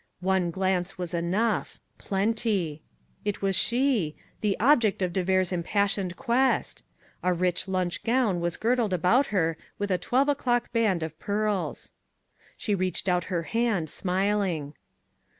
One glance was enough plenty. It was she the object of de Vere's impassioned quest. A rich lunch gown was girdled about her with a twelve o'clock band of pearls. She reached out her hand, smiling.